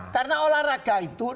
karena olahraga itu